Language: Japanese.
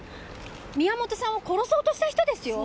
宮元さんを殺そうとした人ですよ！？